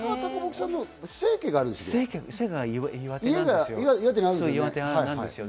生家があるんですよね。